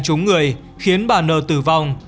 chúng người khiến bà nờ tử vong